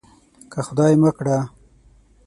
که خدای مه کړه.